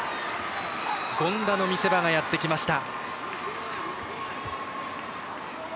権田の見せ場がやってきました。